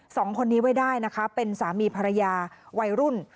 สองคนนี้ไว้ได้นะคะเป็นสามีภรรยาวัยรุ่น